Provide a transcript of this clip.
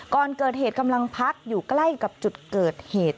ก่อนเกิดเหตุกำลังพักอยู่ใกล้กับจุดเกิดเหตุ